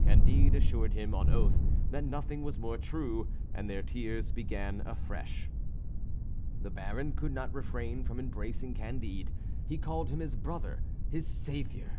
Candide assured him on oath that nothing was more true, and their tears began afresh. The Baron could not refrain from embracing Candide; he called him his brother, his saviour.